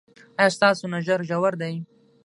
ایا ستاسو نظر ژور دی؟